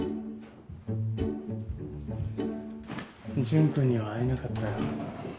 潤君には会えなかったよ。